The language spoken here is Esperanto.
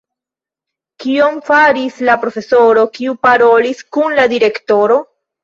Kion faris la profesoro, kiu parolis kun la direktoro?